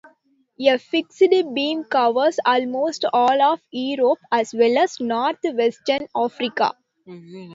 A fixed beam covers almost all of Europe as well as north-western Africa.